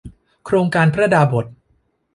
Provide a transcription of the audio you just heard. โครงการพระดาบส